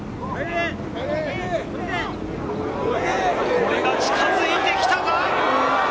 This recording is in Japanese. これが近づいてきたが。